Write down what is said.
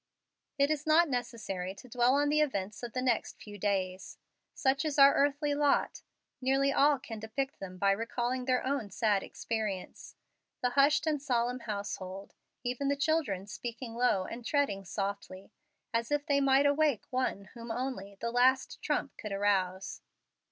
It is not necessary to dwell on the events of the next few days. Such is our earthly lot, nearly all can depict them by recalling their own sad experience: the hushed and solemn household, even the children speaking low and treading softly, as if they might awake one whom only "the last trump" could arouse.